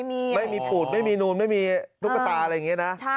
ไม่มีปูดไม่มีนูนไม่มีตุ๊กตาอะไรอย่างนี้นะ